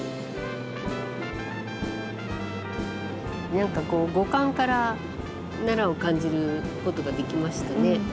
何かこう五感から奈良を感じることができましたね。